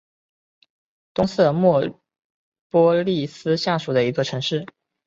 东瑟莫波利斯下属的一座城市。